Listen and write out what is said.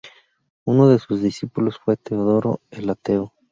Uno de sus discípulos fue Teodoro, el Ateo.